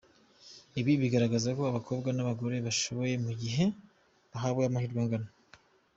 Ibi bigaragaza ko abakobwa n’abagore bashoboye mu gihe bahawe amahirwe angana.